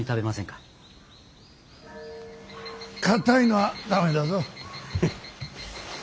かたいのは駄目だぞ。